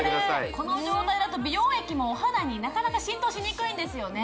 この状態だと美容液もお肌になかなか浸透しにくいんですよね